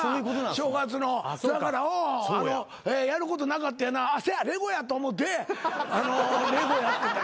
だからやることなかってやなせやレゴやと思うてレゴやってた。